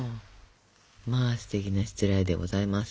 まあすてきなしつらえでございます。